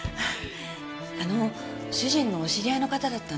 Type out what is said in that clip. あの主人のお知り合いの方だったんですか？